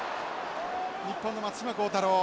日本の松島幸太朗。